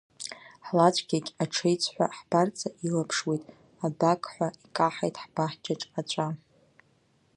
Ҳлацәгьагь аҽеиҵҳәа ҳбарҵа илаԥшуеит, абақҳәа икаҳаит ҳбаҳчаҿ аҵәа.